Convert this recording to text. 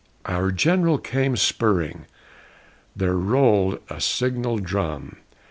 Our General came spurring! There rolled a signal drum.